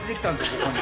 ここに。